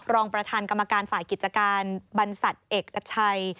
รองประธานกรรมการฝ่ายกิจการบรรษัตริย์เอกชัย